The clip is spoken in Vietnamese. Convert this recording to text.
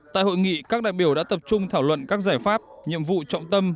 tại hội nghị các đại biểu đã tập trung thảo luận các giải pháp nhiệm vụ trọng tâm